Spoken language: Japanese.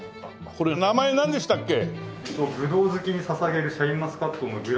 これ名前なんでしたっけ？